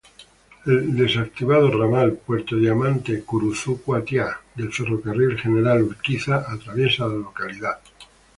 El desactivado ramal Puerto Diamante-Curuzú Cuatiá del Ferrocarril General Urquiza atraviesa la localidad.